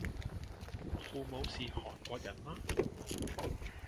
父母是韓國人嗎？